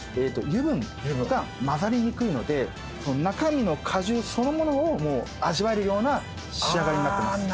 油分がまざりにくいので中身の果汁そのものを味わえるような仕上がりになってます。